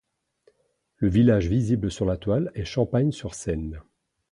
Le village visible sur la toile est Champagne-sur-Seine.